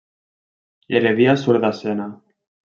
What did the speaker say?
Heredia surt d'escena.